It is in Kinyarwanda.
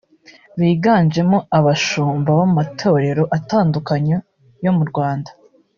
biganjemo abashumba b’ amatorero atandukanye yo mu Rwanda